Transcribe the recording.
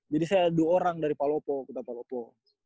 jadi saya ada dua orang dari palopo kota palopo